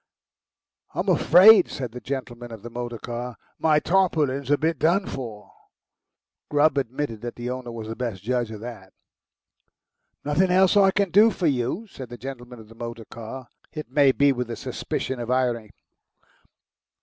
"I'm afraid," said the gentleman of the motor car, "my tarpaulin's a bit done for." Grubb admitted that the owner was the best judge of that. "Nothin, else I can do for you?" said the gentleman of the motor car, it may be with a suspicion of irony.